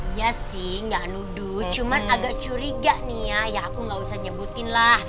iya sih gak nudu cuman agak curiga nih ya ya aku gak usah nyebutin lah